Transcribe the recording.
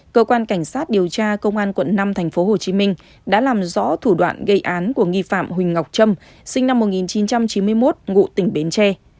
cơ quan cảnh sát điều tra công an quận năm tp hcm đã làm rõ thủ đoạn gây án của nghi phạm huỳnh ngọc trâm sinh năm một nghìn chín trăm chín mươi một ngụ tỉnh bến tre